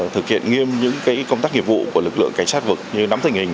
thực hiện nghiêm những công tác nghiệp vụ của lực lượng cảnh sát vực như nắm tình hình